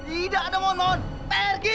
tidak ada mohon maaf pergi